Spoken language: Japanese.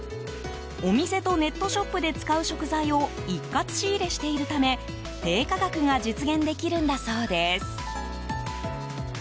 お店とネットショップで使う食材を一括仕入れしているため低価格が実現できるんだそうです。